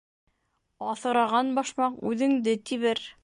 Аҫыраған башмаҡ үҙеңде тибер.